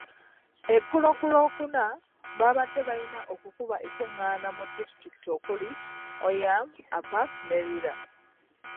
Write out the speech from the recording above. Eggulo ku Lwokuna, baabadde balina okukuba enkung'aana mu disitulikiti okuli; Oyam, Apac ne Lira.